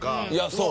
そう。